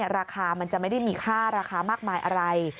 ราคามันจะไม่ได้มีค่าราคามากมายอะไร